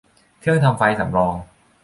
เครื่องทำไฟสำรอง